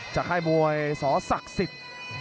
ค่ายมวยสศักดิ์สิทธิ์